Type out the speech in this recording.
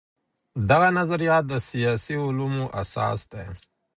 دغه نظريات د سياسي علومو اساس دي.